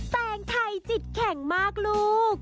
แตงไทยจิตแข็งมากลูก